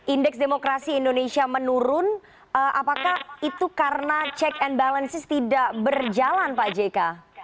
indeks demokrasi indonesia menurun apakah itu karena check and balances tidak berjalan pak jk